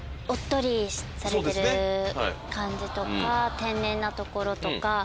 おっとりされてる感じとか天然なところとか。